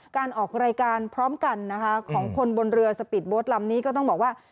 การออกรายการพร้อมกันนะคะของคนบนเรือสปีดโบ๊ทลำนี้ก็ต้องบอกว่า